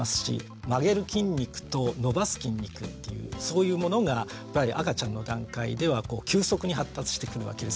曲げる筋肉と伸ばす筋肉っていうそういうものが赤ちゃんの段階では急速に発達してくるわけです。